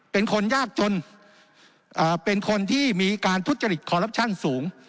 เป็นคนยากจนเป็นคนที่มีการทุจริตคอลลับชั่นสูง